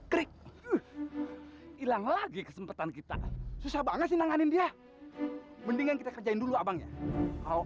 krik hilang lagi kesempatan kita susah banget sih nanganin dia mendingan kita kerjain dulu abangnya kalau